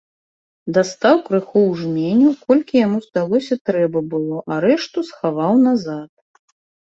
Дастаў крыху ў жменю, колькі яму здалося трэба было, а рэшту схаваў назад.